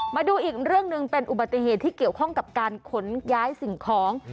มาดูอีกเรื่องหนึ่งเป็นอุบัติเหตุที่เกี่ยวข้องกับการขนย้ายสิ่งของ